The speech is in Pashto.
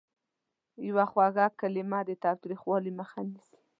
یوه خوږه کلمه د تاوتریخوالي مخه نیسي.